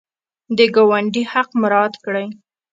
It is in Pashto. د ګاونډي حق مراعات کړئ